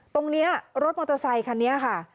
ตรงนี้รถมอเตอร์ไซคันนี้ค่ะ